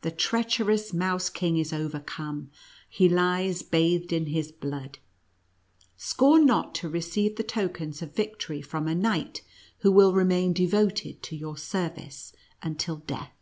The treacherous Mouse King is overcome ; he lies bathed in his blood. Scorn not to receive the tokens of victory from a knight who will remain devoted to your service until death."